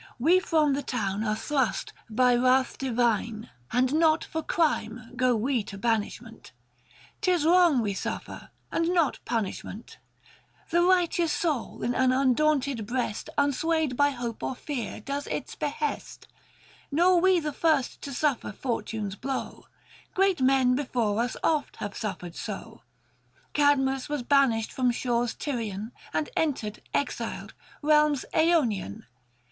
We from the town are thrust by wrath divine, 510 L. 495. —" thou :" Carmentis. c 2 20 THE FASTI. Book I. And not for crime, go we to banishment ; 'Tis wrong we suffer and not punishment ; The righteous soul in an undaunted breast Unswayed by hope or fear does its behest. Nor we the first to suffer Fortune's blow, 515 Great men before us oft have suffered so : Cadmus was banished from shores Tyrian And entered, exiled, realms Aonian.